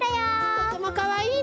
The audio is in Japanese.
とってもかわいいね。